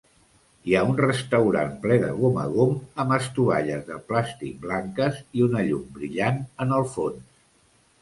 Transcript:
Hi ha un restaurant ple de gom a gom amb estovalles de plàstic blanques i una llum brillant en el fons.